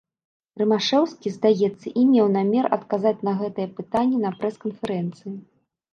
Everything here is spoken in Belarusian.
Рымашэўскі, здаецца, і меў намер адказаць на гэтае пытанне на прэс-канферэнцыі.